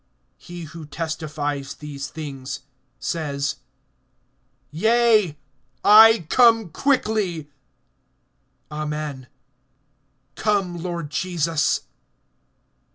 (20)He who testifies these things, says: Yea, I come quickly. Amen; come, Lord Jesus.